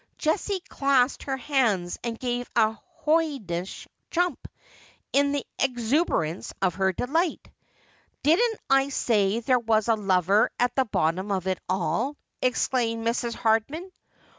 Jessie clasped her hands, and gave a hoydenish jump, in the exuberance of her delight. ' Didn't I say there was a lover at the bottom of it all? ' exclaimed Mrs. Hardman.